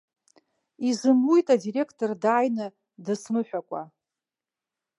Изымуит адиреқтор дааины дысмыҳәакәа.